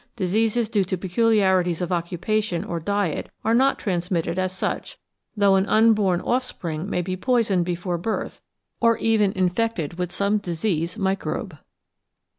Diseases due to peculiarities of occupation or diet are not transmitted as such, though an unborn offspring may be poisoned before birth, or even infected with some disease microbe.